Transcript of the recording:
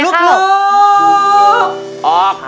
เรียกประกันแล้วยังคะ